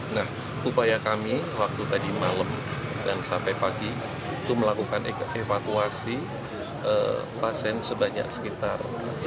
nah upaya kami waktu tadi malam dan sampai pagi itu melakukan evakuasi pasien sebanyak sekitar